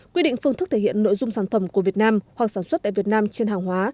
quy định phương thức thể hiện nội dung sản phẩm của việt nam hoặc sản xuất tại việt nam trên hàng hóa